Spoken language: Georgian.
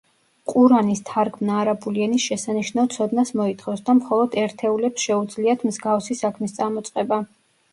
ყურანის თარგმნა არაბული ენის შესანიშნავ ცოდნას მოითხოვს და მხოლოდ ერთეულებს შეუძლიათ მსგავსი საქმის წამოწყება.